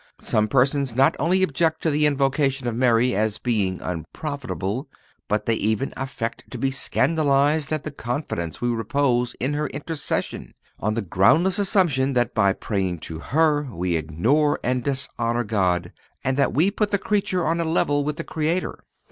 Some persons not only object to the invocation of Mary as being unprofitable, but they even affect to be scandalized at the confidence we repose in her intercession, on the groundless assumption that by praying to her we ignore and dishonor God, and that we put the creature on a level with the Creator.